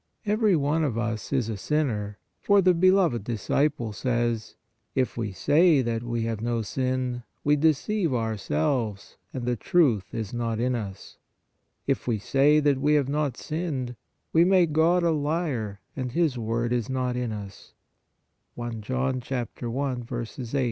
Every one of us is a sinner, for the beloved disciple says: "If we say that we have no sin, we deceive ourselves and the truth is not in us. ... WHY WE SHOULD PRAY 11 If we say that we have not sinned, we make God a liar and His word is not in us " (I John i.